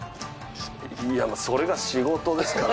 いやそれが仕事ですから。